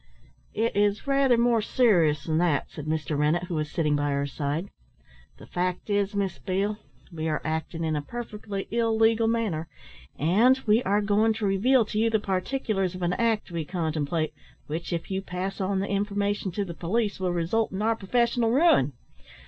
"It is rather more serious than that," said Mr. Rennett, who was sitting by her side. "The fact is, Miss Beale, we are acting in a perfectly illegal manner, and we are going to reveal to you the particulars of an act we contemplate, which, if you pass on the information to the police, will result in our professional ruin.